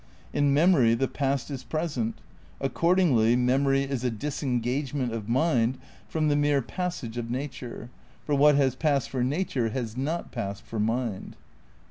In memory the past is present. ... Accordingly memory is a dis engagement of mind from the mere passage of nature; for what has passed for nature has not passed for mind."